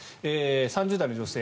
３０代の女性